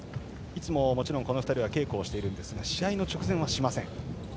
いつもこの２人は稽古をしているんですが試合の直前はしません。